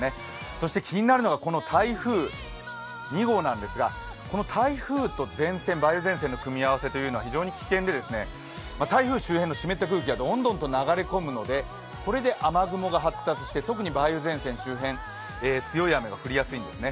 そして気になるのが台風２号なんですが、この台風と前線、梅雨前線の組み合わせっていうのは、非常に危険で、台風周辺の湿った空気がどんどんと流れ込むので、これで雨雲が発達して特に梅雨前線周辺強い雨が降りやすいんですね。